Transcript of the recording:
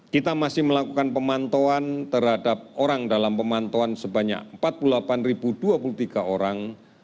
kita masih melakukan pemantauan terhadap orang dalam pemantauan sebanyak empat puluh delapan dua puluh tiga orang